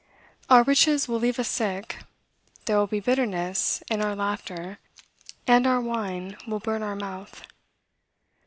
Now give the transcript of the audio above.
Our riches will leave us sick; there will be bitterness in our laughter; and our wine will burn our mouth.